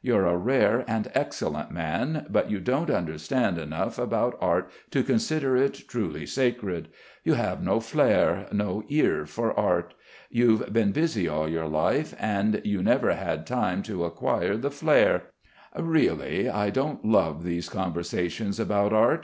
You're a rare and excellent man. But you don't understand enough about art to consider it truly sacred. You have no flair, no ear for art. You've been busy all your life, and you never had time to acquire the flair. Really ... I don't love these conversations about art!"